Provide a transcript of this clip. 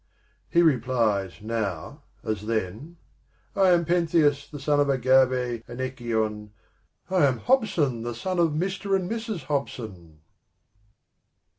He replies now as then : I am Pentheus, the son of Agave and Echion, I am Hobson the son of Mr. and Mrs. Hobson